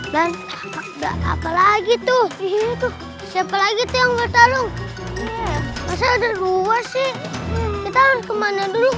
dan enggak apalagi tuh itu siapa lagi yang bertarung masa ada dua sih kita kemana dulu